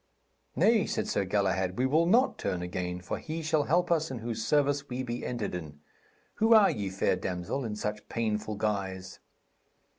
'Nay,' said Sir Galahad, 'we will not turn again, for He shall help us in whose service we be entered in. Who are ye, fair damsel, in such painful guise?'